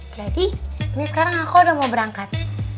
jadi ini sekarang aku udah mau berangkat